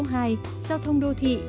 giao thông đô thị